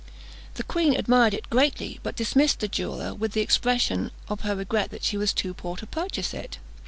The queen admired it greatly, but dismissed the jeweller, with the expression of her regret that she was too poor to purchase it.